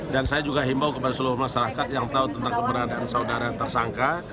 dan saya juga himbau kepada seluruh masyarakat yang tahu tentang keberadaan saudara yang tersangka